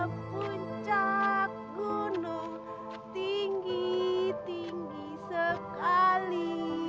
puncak gunung tinggi tinggi sekali